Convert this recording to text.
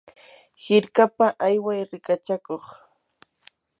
hirkapa ayway rikachakuq.